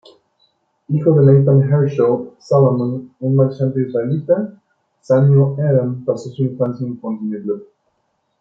Hijo de Nathan-Herschel Salomon, un marchante israelita, Samuel-Adam pasó su infancia en Fontainebleau.